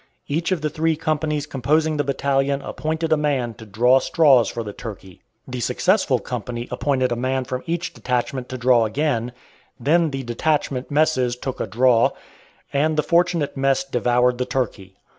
Each of the three companies composing the battalion appointed a man to "draw straws" for the turkey; the successful company appointed a man from each detachment to draw again; then the detachment messes took a draw, and the fortunate mess devoured the turkey.